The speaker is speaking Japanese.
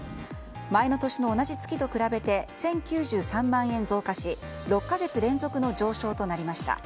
前の年の同じ月と比べて１０９３万円増加し６か月連続の上昇となりました。